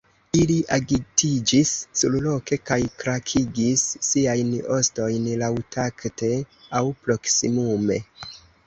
Ili agitiĝis surloke kaj krakigis siajn ostojn laŭtakte, aŭ proksimume.